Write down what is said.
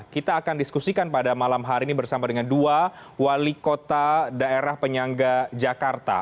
kita akan diskusikan pada malam hari ini bersama dengan dua wali kota daerah penyangga jakarta